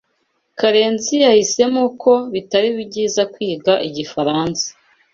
Karenzi yahisemo ko bitari byiza kwiga igifaransa.